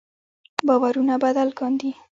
باورونه بدل کاندي.